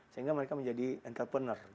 sehingga mereka menjadi entrepreneur